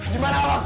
di mana allah